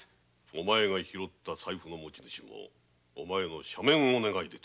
お前が拾った財布の持ち主もお前の赦免を願い出ておる。